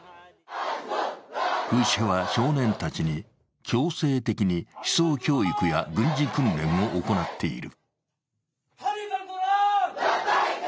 フーシ派は少年たちに強制的に思想教育や軍事訓練を行っている。